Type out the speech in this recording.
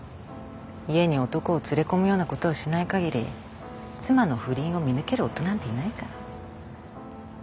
家に男を連れ込むようなことをしないかぎり妻の不倫を見抜ける夫なんていないから。